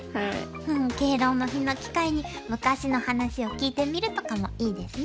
敬老の日の機会に昔の話を聞いてみるとかもいいですね。